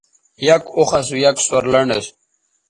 یک اوخ اسو آ یک سورلنڈ اسو